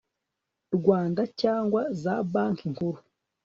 rwanda cyangwa za banki nkuru